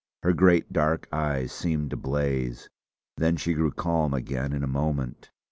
Her great dark eyes seemed to blaze; then she grew calm again in a moment.